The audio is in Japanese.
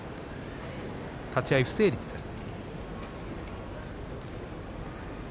立ち合い不成立です。